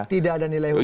tidak ada nilai hukumnya